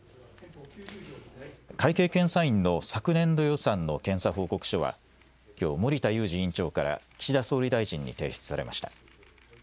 会計検査院の昨年度予算の検査報告書は、きょう、森田祐司院長から岸田総理大臣に提出されました。